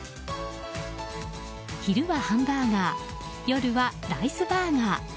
昼はハンバーガー夜はライスバーガー。